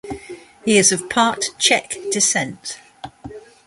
He is of part Czech descent.